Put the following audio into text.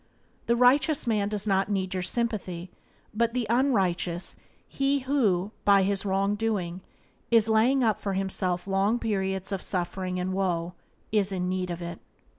The righteous man does not need your sympathy, but the unrighteous; he who, by his wrong doing, is laying up for himself long periods of suffering and woe is in need of it.